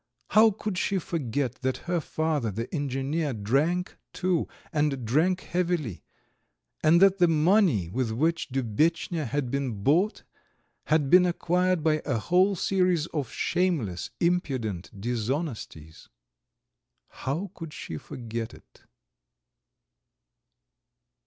How could she forget that her father the engineer drank too, and drank heavily, and that the money with which Dubetchnya had been bought had been acquired by a whole series of shameless, impudent dishonesties? How could she forget it?